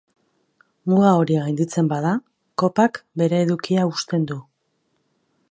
Muga hori gainditzen bada, kopak bere edukia husten du.